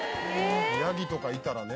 ヤギとかいたらねえ。